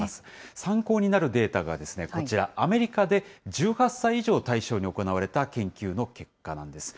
参考になるデータがこちら、アメリカで１８歳以上を対象に行われた研究の結果なんです。